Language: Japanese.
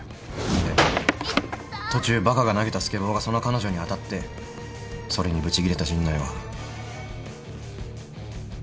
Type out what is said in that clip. んで途中バカが投げたスケボーがその彼女に当たってそれにブチギレた陣内は。